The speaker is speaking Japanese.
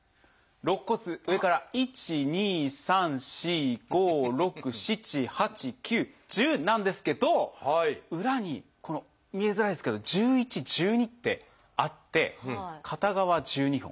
肋骨上から１２３４５６７８９１０なんですけど裏にこの見えづらいですけど１１１２ってあって片側１２本。